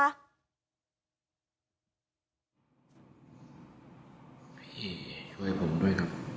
พี่ช่วยผมด้วยครับ